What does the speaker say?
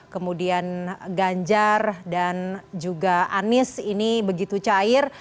kemudian ganjar dan juga anies ini begitu cair